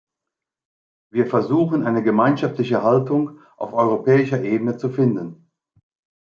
Wir versuchen eine gemeinschaftliche Haltung auf europäischer Ebene zu finden.